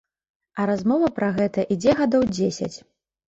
А размова пра гэта ідзе гадоў дзесяць.